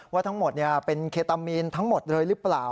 ว่าทั้งหมดเป็นเคตามีนทั้งหมดเลยหรือเปล่า